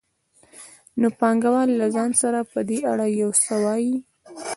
نو پانګوال له ځان سره په دې اړه یو څه وايي